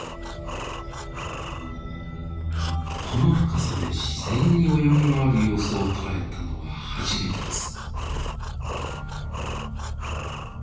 この深さで自然に泳ぎ回る様子を捉えたのは初めてです。